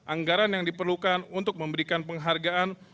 anggaran yang diperlukan untuk memberikan penghargaan